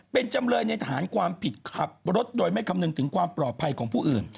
เป็นจำเลยในฐานความผิดขับรถโดยไม่คำนึงถึงความปลอดภัยของผู้อื่น